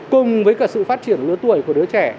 cùng với cả sự phát triển lứa tuổi của đứa trẻ